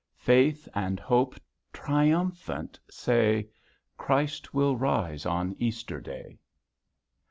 Faith and Hope triumphant say, Christ will rise on Easter Day.